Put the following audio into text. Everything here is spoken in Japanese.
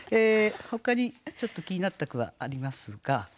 ほかにちょっと気になった句はありますが。